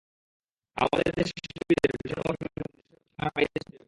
আমাদের দেশের শিল্পীদের বিচরণ ক্রমশ এখন দেশের সীমানার বাইরে ছড়িয়ে পড়ছে।